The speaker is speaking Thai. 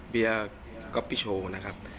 เดี๋ยวก็เปียร์คอปปี้โชว์นะครับ